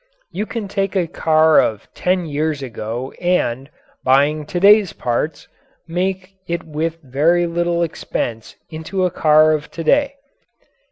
You can take a car of ten years ago and, buying to day's parts, make it with very little expense into a car of to day.